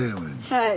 はい。